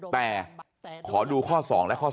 แต่ขอดูข้อ๒และข้อ๒